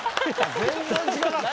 全然違うかった。